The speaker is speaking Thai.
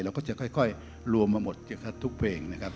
เราก็จะค่อยรวมมาหมดทุกเพลงนะครับ